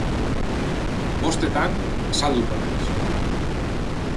Bostetan azalduko naiz